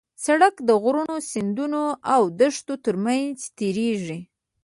سړک د غرونو، سیندونو او دښتو ترمنځ تېرېږي.